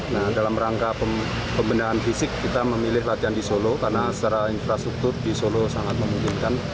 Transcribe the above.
nah dalam rangka pembenahan fisik kita memilih latihan di solo karena secara infrastruktur di solo sangat memungkinkan